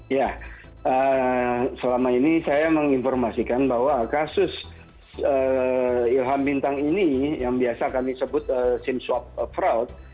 ya selama ini saya menginformasikan bahwa kasus ilham bintang ini yang biasa kami sebut scene swap fraud